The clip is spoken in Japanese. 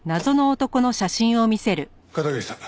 片桐さん